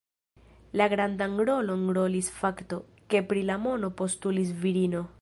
La grandan rolon rolis fakto, ke pri la mono postulis virino.